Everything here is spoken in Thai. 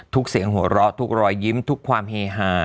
เสียงหัวเราะทุกรอยยิ้มทุกความเฮฮา